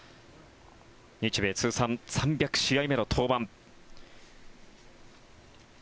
日米通算３００試合目の登板。